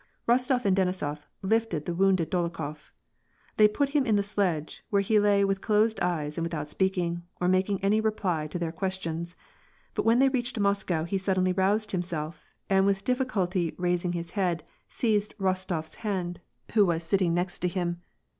Eostof and Denisof lifted the wounded Dolokhof. They l)ut him in the sledge, where he lay with closed eyes and with" out speaking, or making any reply to their questions; bu4| when they reached Moscow, he suddenly roused himself, an< with difficulty raising his head, seized Rostofs hand, who ws WAR AND PEACE. 27 sitting next him.